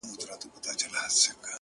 ه مه راځه د شپې خلگ خبري كوي.!